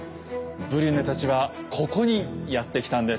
ブリュネたちはここにやって来たんです。